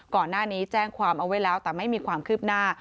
ก่อนหน้านี้แจ้งความเอาไว้แล้วแต่ไม่มีความคืบหน้า